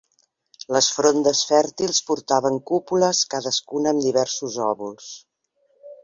Les frondes fèrtils portaven cúpules cadascuna amb diversos òvuls.